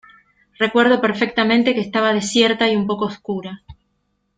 recuerdo perfectamente que estaba desierta y un poco oscura.